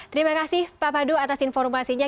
terima kasih pak pandu atas informasinya